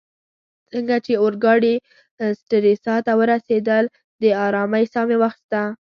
څنګه چي اورګاډې سټریسا ته ورسیدل، د آرامۍ ساه مې واخیسته.